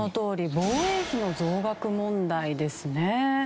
防衛費の増額問題ですね。